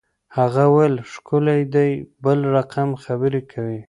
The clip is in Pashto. هغه ویل ښکلی دی بل رقم خبرې کوي